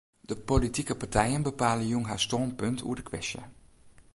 De politike partijen bepale jûn har stânpunt oer de kwestje.